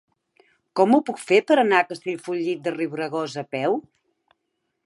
Com ho puc fer per anar a Castellfollit de Riubregós a peu?